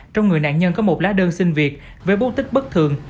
trong người nạn nhân có một lá đơn xin việc với bốt tích bất thường